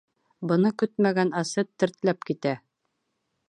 Быны көтмәгән Асет тертләп китә.